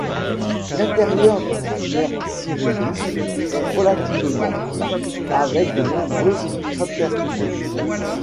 L'intérieur du cratère Cyrillus est relativement plat avec de nombreux craterlets.